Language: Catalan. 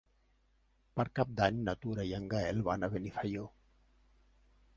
Per Cap d'Any na Tura i en Gaël van a Benifaió.